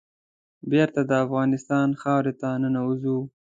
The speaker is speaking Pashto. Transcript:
بېرته د افغانستان خاورې ته ننوزو.